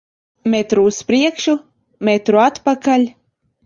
Metru uz priekšu, metru atpakaļ.